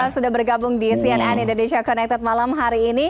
sudah bergabung di cnn indonesia connected malam hari ini